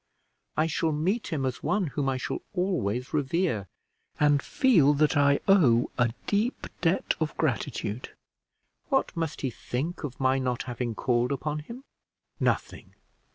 "I shall meet him as one whom I shall always revere and feel that I owe a deep debt of gratitude. What must he think of my not having called upon him!" "Nothing.